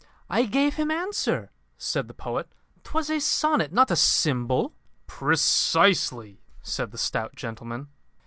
"I gave him answer," said the poet, "'Twas a sonnet; not a symbol." "Precisely," said the stout gentleman.